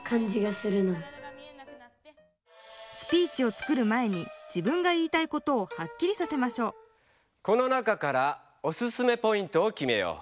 スピーチを作る前に自分が言いたいことをはっきりさせましょうこの中からオススメポイントをきめよう。